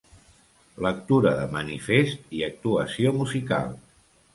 Lectura de manifest i actuació musical.